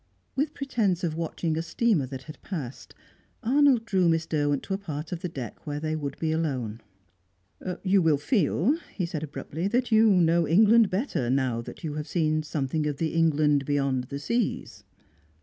With pretence of watching a steamer that had passed, Arnold drew Miss Derwent to a part of the deck where they would be alone. "You will feel," he said abruptly, "that you know England better now that you have seen something of the England beyond seas."